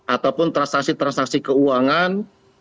ataupun transaksi transaksi keuangan